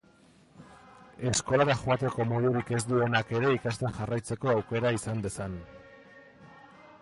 Eskolara joateko modurik ez duenak ere ikasten jarraitzeko aukera izan dezan.